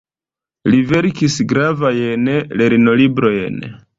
Li verkis gravajn lernolibrojn.